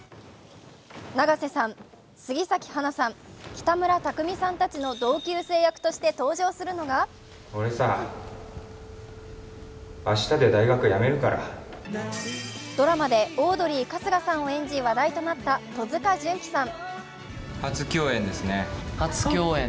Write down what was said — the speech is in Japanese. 永瀬さん、杉咲花さん、北村匠海さんたちの同級生役として登場するのがドラマでオードリー・春日さんを演じ話題となった戸塚純貴さん。